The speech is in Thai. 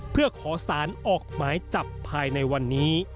เพื่อขอสารออกหมายจับภายในวันนี้